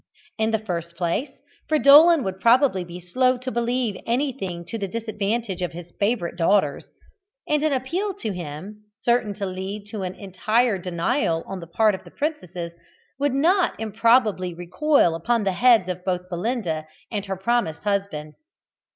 In the first place, Fridolin would probably be slow to believe anything to the disadvantage of his favourite daughters, and an appeal to him, certain to lead to an entire denial on the part of the princesses, would not improbably recoil upon the heads of both Belinda and her promised husband.